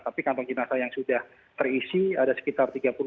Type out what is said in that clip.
tapi kantong jenazah yang sudah terisi ada sekitar tiga puluh